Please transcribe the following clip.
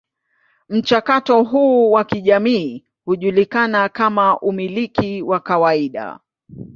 Mchakato huu wa kijamii hujulikana kama umiliki wa kawaida.